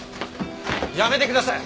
やめてください！